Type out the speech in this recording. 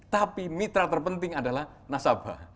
tapi mitra terpenting adalah nasabah